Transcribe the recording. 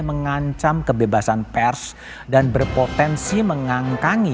mengancam kebebasan pers dan berpotensi mengangkangi